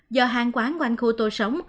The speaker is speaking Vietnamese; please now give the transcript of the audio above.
do hàng quán quanh khu tôi sống